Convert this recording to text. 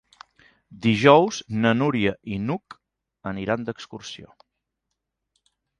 Dijous na Núria i n'Hug aniran d'excursió.